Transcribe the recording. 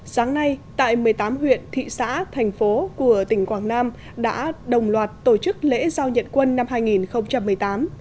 sáng nay tại một mươi tám huyện thị xã thành phố của tỉnh quảng nam đã đồng loạt tổ chức lễ giao nhận quân năm hai nghìn một mươi tám